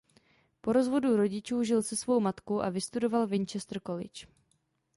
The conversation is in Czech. Po rozvodu rodičů žil se svou matkou a vystudoval Winchester College.